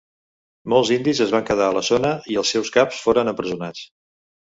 Molts indis es van quedar a la zona, i els seus caps foren empresonats.